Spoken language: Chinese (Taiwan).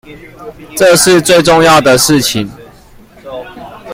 這是最重要的事情